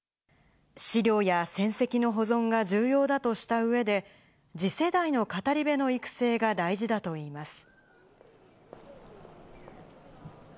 資料や戦跡の保存が重要だとしたうえで、次世代の語り部の育成が大事だといいます。